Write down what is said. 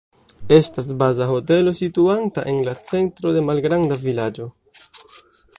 Estas baza hotelo situanta en la centro de malgranda vilaĝo.